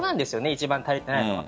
一番足りていないのは。